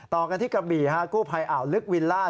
ต่อกันที่กระบี่ฮะกู้ภัยอ่าวลึกวิลล่า